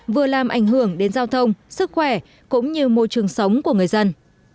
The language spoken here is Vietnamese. vừa làm ảnh hưởng đến giao thông sức khỏe cũng như môi trường sống của người dân